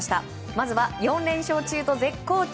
まずは４連勝中と絶好調